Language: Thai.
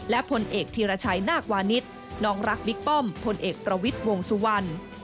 และพลเอกธีรชัยนาควานิสน้องรักบิ๊กป้อมพลเอกประวิทย์วงสุวรรณ